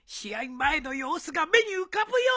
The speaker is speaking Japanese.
前の様子が目に浮かぶようじゃ！